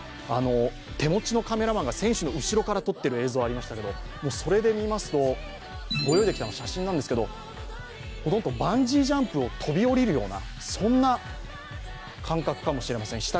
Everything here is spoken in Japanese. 手持ちのカメラマンが選手の後ろから撮っている映像がありましたけどそれで見ますと、ほとんどバンジージャンプを飛び降りるような、そんな感覚かもしれません。